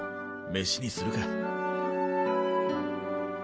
飯にするか。